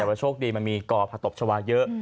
แต่ว่าโชคดีมันมีก่อผักตบชาวาเยอะ